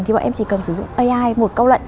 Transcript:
thì bọn em chỉ cần sử dụng ai một câu lệnh